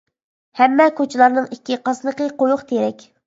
ھەممە كوچىلارنىڭ ئىككى قاسنىقى قويۇق تېرەك.